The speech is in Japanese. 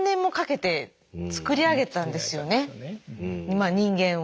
まあ人間は。